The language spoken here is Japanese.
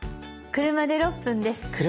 車で６分です。